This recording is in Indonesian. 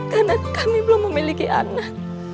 karena kami belum memiliki anak